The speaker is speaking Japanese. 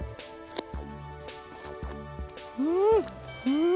うん！